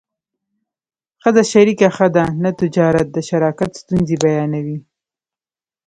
ښځه شریکه ښه ده نه تجارت د شراکت ستونزې بیانوي